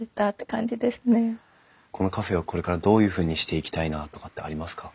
このカフェをこれからどういうふうにしていきたいなとかってありますか？